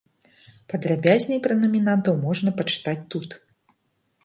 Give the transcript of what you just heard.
Падрабязней пра намінантаў можна пачытаць тут.